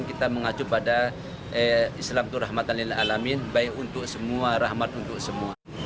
kita mengacu pada islam itu rahmatan lil alamin baik untuk semua rahmat untuk semua